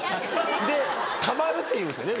でたまるって言うんですよね